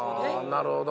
なるほど。